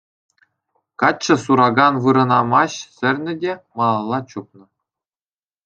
Каччӑ суракан вырӑна маҫ сӗрнӗ те малалла чупнӑ.